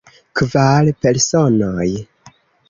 Kvar personoj.